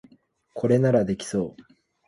これならできそう